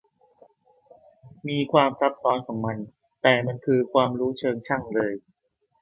มีความซับซ้อนของมัน แต่มันคือความรู้เชิงช่างเลย